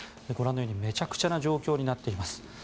ご覧のようにめちゃくちゃな状況になっています。